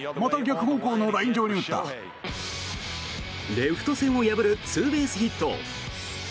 レフト線を破るツーベースヒット。